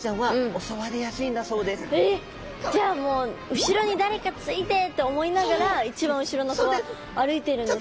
じゃあもう「後ろに誰かついて」って思いながらいちばん後ろの子は歩いてるんですね。